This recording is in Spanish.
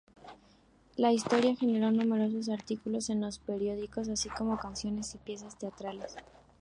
La historia generó numerosos artículos en los periódicos, así como canciones y piezas teatrales.